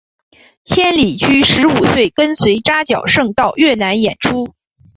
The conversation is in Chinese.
千里驹十五岁跟随扎脚胜到越南演出。